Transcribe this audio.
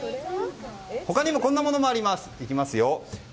他にも、こんなものもあります。